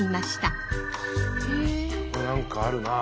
これ何かあるなあ。